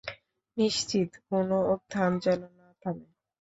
নিশ্চিত কোরো উত্থান যেন না থামে।